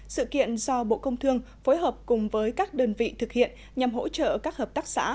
sự kiện do bộ công thương phối hợp cùng với các đơn vị thực hiện nhằm hỗ trợ các hợp tác xã